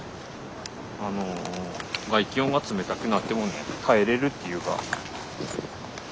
あの外気温が冷たくなってもね耐えれるっていうか。